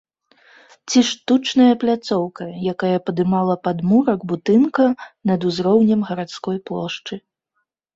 Ці штучная пляцоўка, якая падымала падмурак будынка над узроўнем гарадской плошчы.